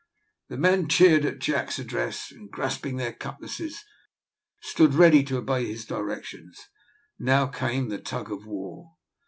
The men cheered at Jack's address, and, grasping their cutlasses, stood ready to obey his directions. Now came the tug of war.